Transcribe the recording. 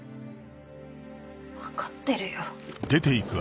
分かってるよ。